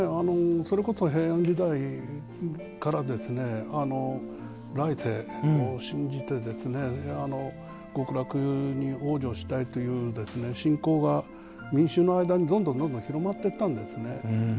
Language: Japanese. それこそ平安時代から来世を信じて極楽に往生したいという信仰が民衆の間にどんどん広まっていったんですね。